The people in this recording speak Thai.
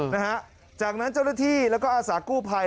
น่าฮะจากนั้นเจ้ารถที่แล้วก็อาสาคกู้ไพร